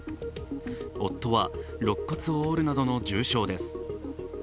夫はろっ骨を折るなどの重傷です。